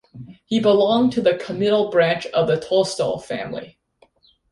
He belonged to the comital branch of the Tolstoy family.